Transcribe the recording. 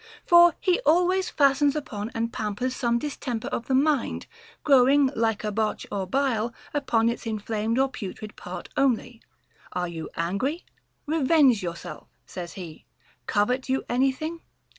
For he always fastens upon and pam pers some distemper of the mind, growing, like a botch or bile, upon its inflamed or putrid part only. Are you angry"? Revenge yourself, says he. Covet you anything?